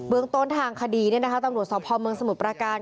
เมืองต้นทางคดีตำรวจสพเมืองสมุทรประการ